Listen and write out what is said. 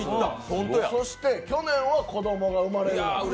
そして去年は子供が生まれる。